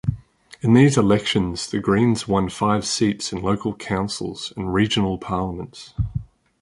In these elections, the Greens won five seats in local councils and regional parliaments.